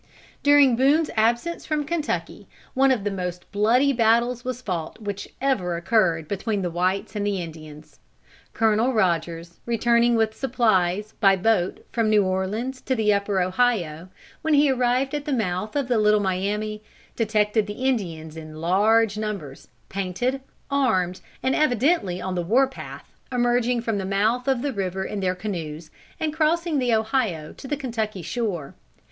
During Boone's absence from Kentucky, one of the most bloody battles was fought, which ever occurred between the whites and the Indians. Colonel Rogers, returning with supplies (by boat) from New Orleans to the Upper Ohio, when he arrived at the mouth of the Little Miami, detected the Indians in large numbers, painted, armed, and evidently on the war path, emerging from the mouth of the river in their canoes, and crossing the Ohio to the Kentucky shore.